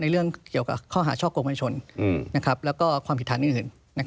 ในเรื่องเกี่ยวกับเข้าหาชอบกงฎาชนแล้วก็ความผิดทันอื่น